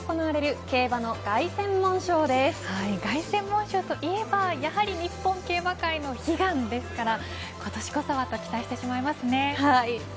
凱旋門賞といえば日本競馬界の悲願ですから今年こそはと期待してしまいます。